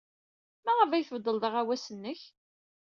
Maɣef ay tbeddled aɣawas-nnek?